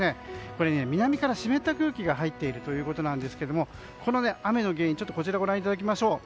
これ、南から湿った空気が入っているということですが雨の原因、こちらをご覧いただきましょう。